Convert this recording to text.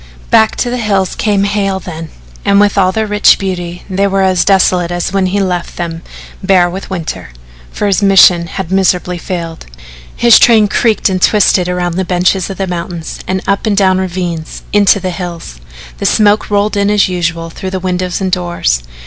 Back to the hills came Hale then, and with all their rich beauty they were as desolate as when he left them bare with winter, for his mission had miserably failed. His train creaked and twisted around the benches of the mountains, and up and down ravines into the hills. The smoke rolled in as usual through the windows and doors.